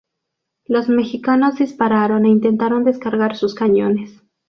Los mexicanos dispararon e intentaron descargar sus cañones.